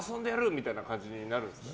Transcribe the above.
みたいな感じになるんですか？